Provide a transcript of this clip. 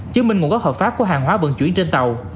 chứng minh nguồn gốc hợp pháp của hàng hóa vận chuyển trên tàu